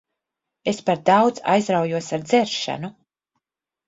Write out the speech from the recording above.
Es par daudz aizraujos ar dzeršanu.